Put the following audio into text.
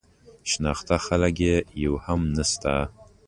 شناخته خلک یې یو هم نه شته.